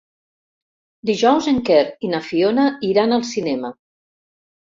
Dijous en Quer i na Fiona iran al cinema.